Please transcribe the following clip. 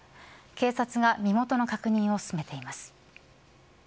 警察が身元の確認を進めています。